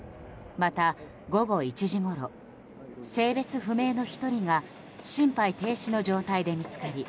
また、午後１時ごろ性別不明の１人が心肺停止の状態で見つかり